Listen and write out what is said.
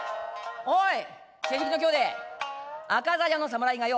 「おい勢力の兄弟赤鞘の侍がよ